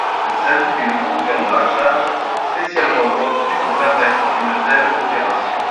Il s’agit d’une fonction de hachage spécialement conçue pour permettre une telle opération.